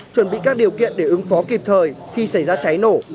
chuẩn bị các điều kiện để ứng phó kịp thời khi xảy ra cháy nổ